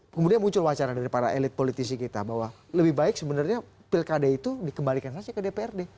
kemudian muncul wacana dari para elit politisi kita bahwa lebih baik sebenarnya pilkada itu dikembalikan saja ke dprd